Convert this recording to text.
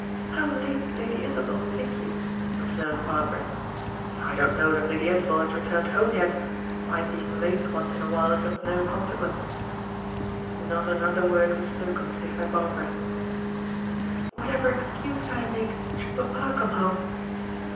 "How late Lady Isabel will think you!" observed Barbara. "I don't know that Lady Isabel has returned home yet. My being late once in a while is of no consequence." Not another word was spoken, save by Barbara. "Whatever excuse can I make, should papa come home?"